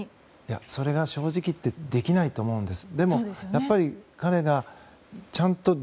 それが正直言ってできないと思うんです。